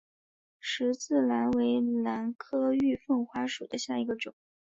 十字兰为兰科玉凤花属下的一个种。